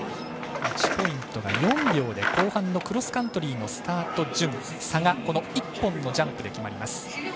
１ポイントが４秒で後半のクロスカントリースタート順、差がこの１本で決まります。